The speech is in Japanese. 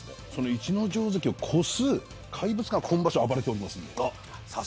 逸ノ城関を超す怪物が今場所暴れております。